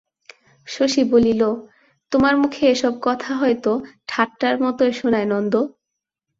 শশী বলিল, তোমার মুখে এসব কথা হয়তো ঠাট্টার মতোই শোনায় নন্দ।